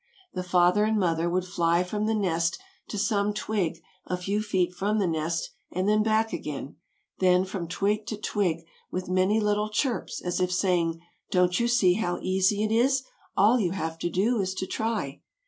The father and mother would fly from the nest to some twig a few feet from the nest and then back again, then from twig to twig with many little chirps as if saying, "Don't you see how easy it is? All you have to do is to try."